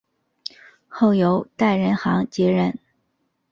后由戴仁行接任。